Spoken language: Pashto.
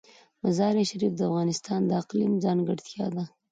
مزارشریف د افغانستان د اقلیم ځانګړتیا ده.